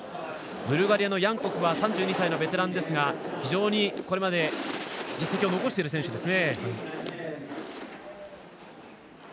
ブルガリアのヤンコフは３２歳のベテランですが非常にこれまで実績を残している選手です。